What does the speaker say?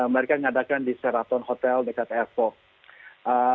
mereka mengadakan di seraton hotel dekat air force